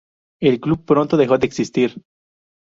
El club pronto dejó de existir.